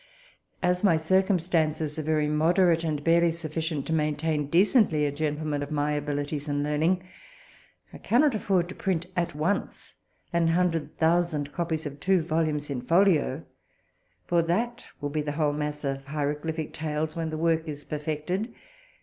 As my circumstances are very moderate, and barely sufficient to maintain decently a gentleman of my abilities and learning, I cannot afford to print at once an hundred thousand copies of two volumes in folio, for that will be the whole mass of Hieroglyphic Tales when the work is perfected.